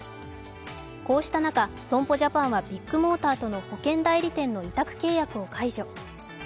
こうした中、損保ジャパンはビッグモーターとの保険代理店の委託契約を解除。